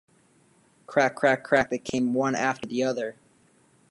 Crack, crack, crack, they came one after the other.